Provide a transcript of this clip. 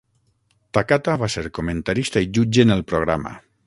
Takata va ser comentarista i jutge en el programa.